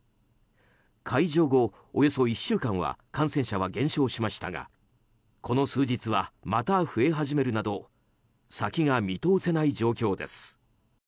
解除後およそ１週間は感染者は減少しましたがこの数日はまた増え始めるなど先が見通せない状況です。